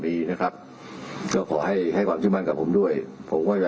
มีศาสตราจารย์พิเศษวิชามหาคุณเป็นประเทศด้านกรวมความวิทยาลัยธรม